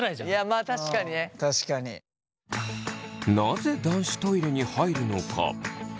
なぜ男子トイレに入るのか？